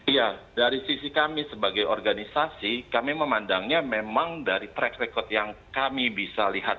iya dari sisi kami sebagai organisasi kami memandangnya memang dari track record yang kami bisa lihat